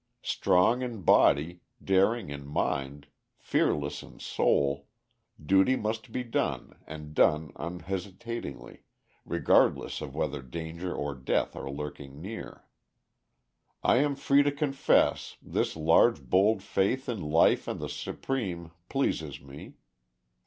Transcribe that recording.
Strong in body, daring in mind, fearless in soul, duty must be done and done unhesitatingly, regardless of whether danger or death are lurking near. I am free to confess this large bold faith in life and the Supreme pleases me.